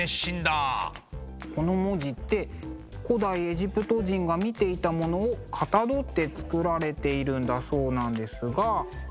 この文字って古代エジプト人が見ていたものをかたどって作られているんだそうなんですが。